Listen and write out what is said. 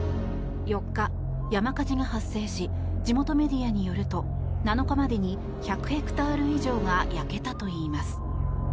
４日、山火事が発生し地元メディアによると７日までに１００ヘクタール以上が焼けたといいます。